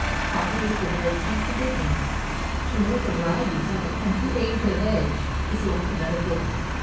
Pottery is the very key to digging ; to know the varieties of it and the age of each, is the alphabet of work.